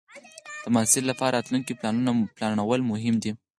د محصل لپاره راتلونکې پلانول مهم دی.